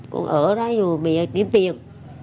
con ở đấy rồi mẹ tìm tiền